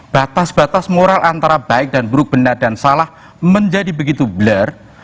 batas batas moral antara baik dan buruk benar dan salah menjadi begitu bler